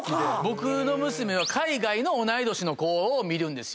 僕の娘は海外の同い年の子を見るんですよ。